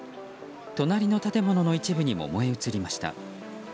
隣の建物の一部にも燃え移りました。